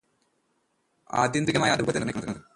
ആത്യന്തികമായി അതാണ് രൂപത്തെ നിർണയിക്കുന്നത്.